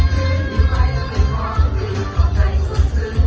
ขึ้นอยู่ไปจะเป็นความรู้ของใจสุดสึง